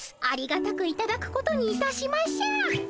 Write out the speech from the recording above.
ありがたくいただくことにいたしましょう。